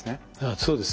そうですね。